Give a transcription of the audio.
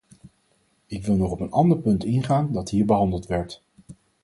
Ik wil nog op een ander punt ingaan dat hier behandeld werd.